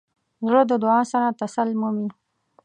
زړه د دعا سره تسل مومي.